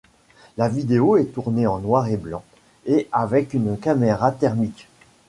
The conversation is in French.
La vidéo est tournée en noir et blanc, et avec une caméra thermique.